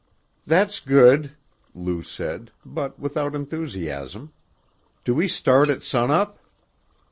"That's good," Lou said, but without enthusiasm. "Do we start at sun up?"